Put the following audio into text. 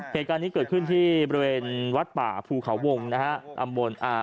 เหตุการณ์นี้เกิดขึ้นที่บริเวณวัดป่าภูเขาวงนะฮะตำบลอ่า